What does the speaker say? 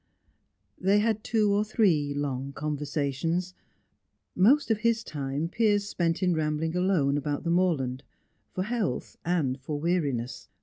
They had two or three long conversations. Most of his time Piers spent in rambling alone about the moorland, for health and for weariness.